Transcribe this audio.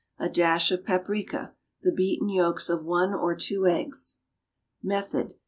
A dash of paprica. The beaten yolks of 1 or 2 eggs. _Method.